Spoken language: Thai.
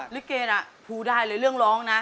ลิเกน่ะภูได้เลยเรื่องร้องนะ